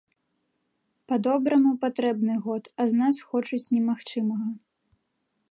Па-добраму, патрэбны год, а з нас хочуць немагчымага.